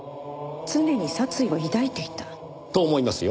常に殺意を抱いていた？と思いますよ。